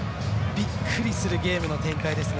びっくりするゲームの展開ですね。